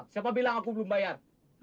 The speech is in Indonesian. siapa bilang aku belum bayar